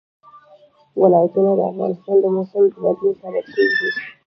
ولایتونه د افغانستان د موسم د بدلون سبب کېږي.